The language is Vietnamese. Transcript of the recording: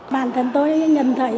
bản thân tôi nhìn thấy